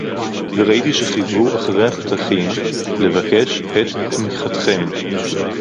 וראיתי שחיזרו אחרי הפתחים לבקש את תמיכתכם